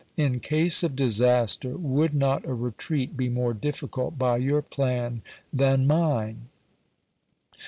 In case of disaster, would not a retreat be more p. 713. difficult by your plan than mine